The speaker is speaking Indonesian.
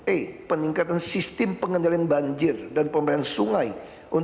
e peningkatan sistem pengendalian banjir dan perubahan kawasan dan pergudangan nelayan